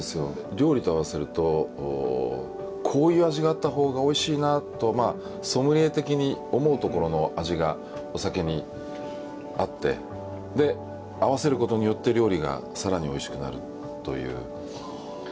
料理と合わせるとこういう味があった方がおいしいなとソムリエ的に思うところの味がお酒にあってで合わせることによって料理が更においしくなるという。はあ。